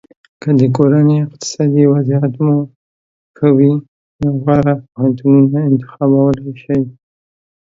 که د کورنۍ اقتصادي وضعیت مو ښه وي نو غوره پوهنتونونه انتخابولی شی.